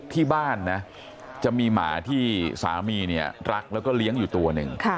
ที่บ้านนะจะมีหมาที่สามีเนี่ยรักแล้วก็เลี้ยงอยู่ตัวหนึ่ง